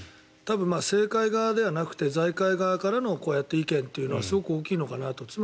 多分、政界側ではなくて財界側からの意見というのはすごく大きいのかなと。